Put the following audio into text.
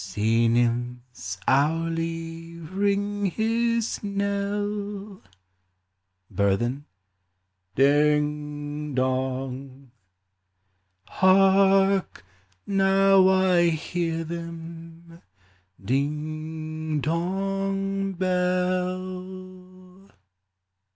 Sea nymphs hourly ring his knell : Burthen. — Ding dong ! Hark ! now I hear them — ding, dong, bell